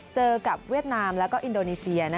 เจอกับเวียดนามแล้วก็อินโดนีเซีย